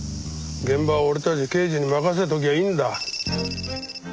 現場は俺たち刑事に任せときゃいいんだ。